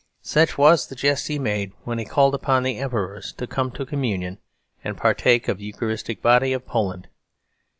Such was the jest he made when he called upon the emperors to come to communion, and partake of the eucharistic body of Poland.